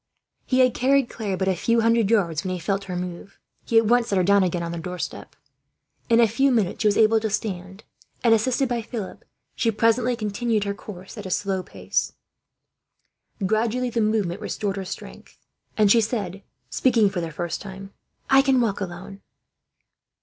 He had carried Claire but a few hundred yards, when he felt her move. He at once set her down again, on a doorstep. In a few minutes she was able to stand and, assisted by Philip, she presently continued her course, at a slow pace. Gradually the movement restored her strength, and she said, speaking for the first time: "I can walk alone."